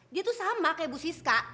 dia tuh sama kayak bu siska